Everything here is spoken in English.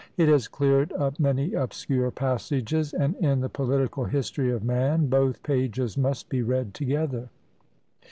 It has cleared up many obscure passages and in the political history of Man, both pages must be read together.